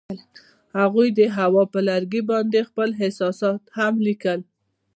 هغوی د هوا پر لرګي باندې خپل احساسات هم لیکل.